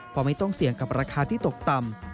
เพราะไม่ต้องเสี่ยงกับราคาที่ตกต่ำ